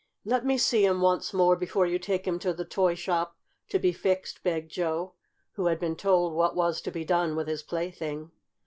"Let me see him once more before you take him to the toy shop to be fixed!" begged Joe, who had been told what was to be done with his plaything.